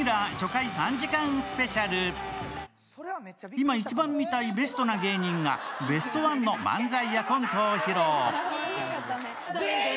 今、一番見たいベストな芸人がベストワンの漫才やコントを披露。